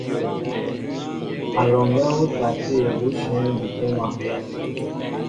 A lɔŋgɛ wɔtaté bushɛŋ di toma.